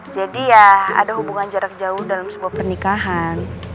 jadi ya ada hubungan jarak jauh dalam sebuah pernikahan